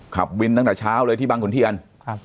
ขับวินตั้งแต่เช้าเลยที่บางขุนเทียน